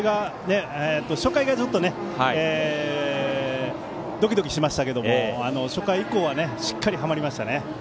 初回はちょっとドキドキしましたけど初回以降はしっかりはまりましたね。